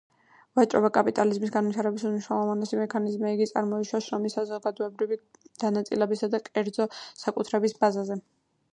ვაჭრობა კაპიტალიზმის განვითარების უმნიშვნელოვანესი მექანიზმია, იგი წარმოიშვა შრომის საზოგადოებრივი დანაწილებისა და კერძო საკუთრების ბაზაზე.